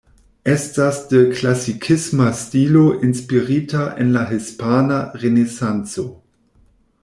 Estas de klasikisma stilo inspirita en la Hispana Renesanco.